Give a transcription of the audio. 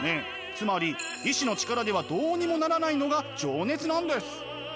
つまり意思の力ではどうにもならないのが情熱なんです！